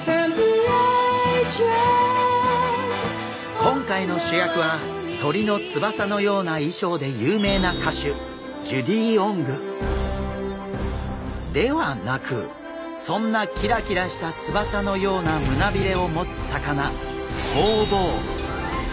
今回の主役は鳥の翼のような衣装で有名な歌手ではなくそんなキラキラした翼のような胸びれを持つ魚ホウボウ。